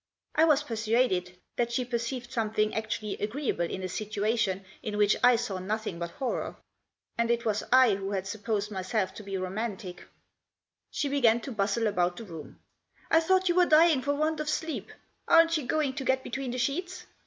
I was persuaded that she perceived something actually agreeable in a situation in which I saw nothing but horror. And it was I who had supposed myself to be romantic ! 110 THE JOSS. She began to bustle about the room. " I thought you were dying for want of sleep. Aren't you going to get between the sheets